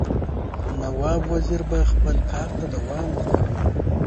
نواب وزیر به خپل کارته دوام ورکوي.